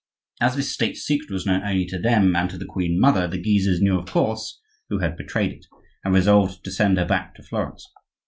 As this state secret was known only to them and to the queen mother, the Guises knew of course who had betrayed it, and resolved to send her back to Florence.